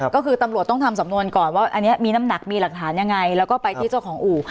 ก็คือตำรวจต้องทำสำนวนก่อนว่าอันนี้มีน้ำหนักมีหลักฐานยังไงแล้วก็ไปที่เจ้าของอู่